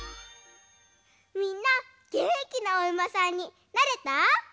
みんなげんきなおうまさんになれた？